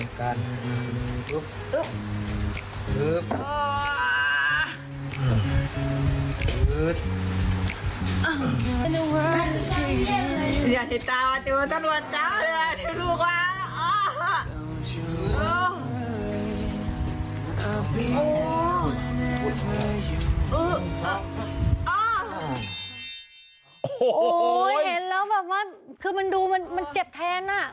โอ้โหเห็นแล้วแบบว่าคือมันดูมันเจ็บแทนอ่ะ